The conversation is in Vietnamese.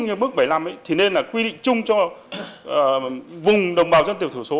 như bước bảy mươi năm thì nên là quy định chung cho vùng đồng bào dân tộc thiểu số